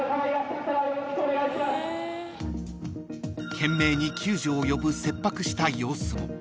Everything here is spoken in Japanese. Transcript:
［懸命に救助を呼ぶ切迫した様子も］